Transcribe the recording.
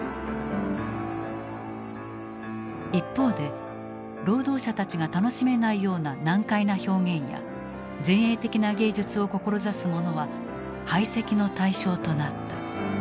一方で労働者たちが楽しめないような難解な表現や前衛的な芸術を志す者は排斥の対象となった。